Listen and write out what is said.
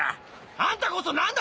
あんたこそ何だ